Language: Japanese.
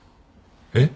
えっ？